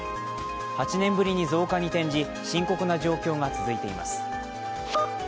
８年ぶりに増加に転じ、深刻な状況が続いています。